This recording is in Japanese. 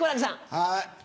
はい。